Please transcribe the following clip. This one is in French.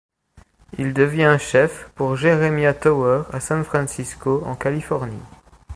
Il devient chef pour Jeremiah Tower à San Francisco, en Californie.